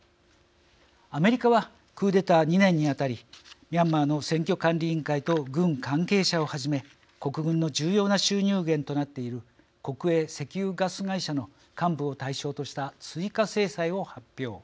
アメリカはクーデター２年に当たりミャンマーの選挙管理委員会と軍関係者をはじめ国軍の重要な収入源となっている国営石油ガス会社の幹部を対象とした追加制裁を発表。